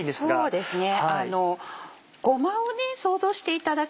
そうですね。